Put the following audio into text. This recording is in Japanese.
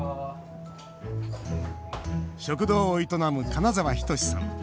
食堂を営む金澤等さん。